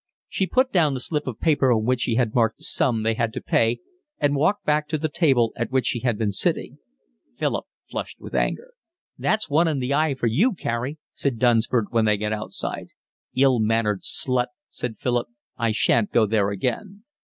She put down the slip of paper on which she had marked the sum they had to pay, and walked back to the table at which she had been sitting. Philip flushed with anger. "That's one in the eye for you, Carey," said Dunsford, when they got outside. "Ill mannered slut," said Philip. "I shan't go there again."